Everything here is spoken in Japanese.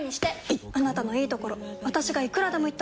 いっあなたのいいところ私がいくらでも言ってあげる！